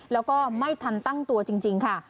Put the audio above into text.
แล้วก็ไม่ทันตั้งตัวจริงค่ะ